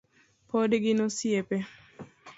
Pod gin osiepe